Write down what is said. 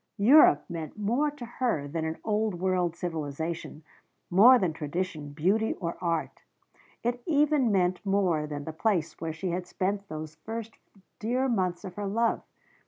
Europe meant more to her than an Old World civilisation, more than tradition, beauty or art. It even meant more than the place where she had spent those first dear months of her love.